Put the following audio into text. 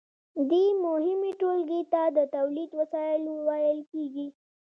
دې مهمې ټولګې ته د تولید وسایل ویل کیږي.